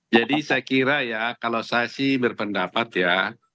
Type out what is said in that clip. jadi saya kira ya kalau saya sih berpendapat ya